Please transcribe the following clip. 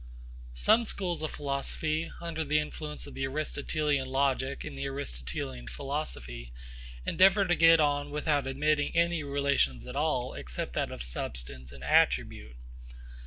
Some schools of philosophy, under the influence of the Aristotelian logic and the Aristotelian philosophy, endeavour to get on without admitting any relations at all except that of substance and attribute.